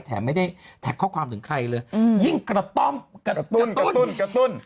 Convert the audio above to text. แถมไม่ได้แท็กข้อความถึงใครเลยอืมยิ่งกระต้อมกระตุ้นกระตุ้น